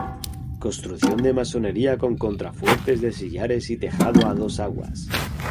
Construcción de masonería con contrafuertes de sillares y tejado a dos aguas.